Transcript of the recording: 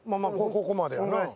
ここまでやな。